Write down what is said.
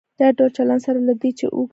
دا ډول چلن سره له دې چې اوږد شو.